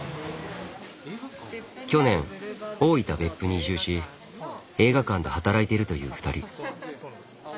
去年大分・別府に移住し映画館で働いているという２人。